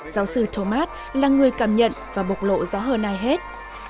giáo sư thomas là người cảm nhận và bộc lộ rõ hơn ai hết